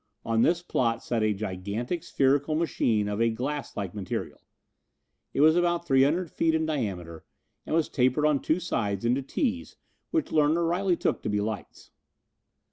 On this plot sat a gigantic spherical machine of a glasslike material. It was about 300 feet in diameter and it was tapered on two sides into tees which Larner rightly took to be lights.